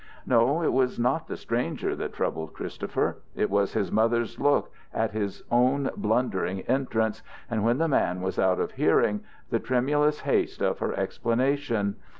No, it was not the stranger that troubled Christopher. It was his mother's look at his own blundering entrance, and, when the man was out of hearing, the tremulous haste of her explanation.